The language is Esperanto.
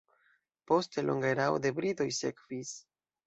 Poste longa erao de britoj sekvis.